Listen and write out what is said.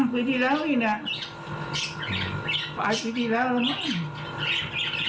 ปีที่แล้วนี่นะปลายปีที่แล้วเนี่ย